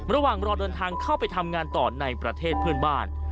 ระหว่างรอเดินทางเข้าไปทำงานต่อในประเทศเพื่อนบ้าน